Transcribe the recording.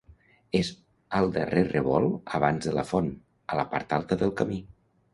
És al darrer revolt abans de la font, a la part alta del camí.